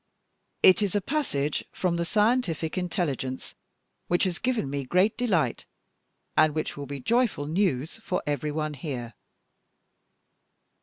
"It is a passage from the Scientific Intelligence which has given me great delight, and which will be joyful news for every one here."